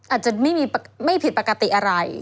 อาจจะไม่ผิดปกติอะไร